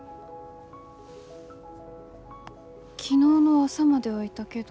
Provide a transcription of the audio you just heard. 昨日の朝まではいたけど。